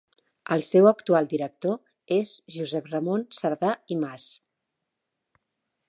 El seu actual director és Josep Ramon Cerdà i Mas.